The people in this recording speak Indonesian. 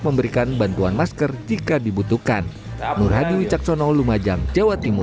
memberikan bantuan masker jika dibutuhkan nur hadi wicaksono lumajang jawa timur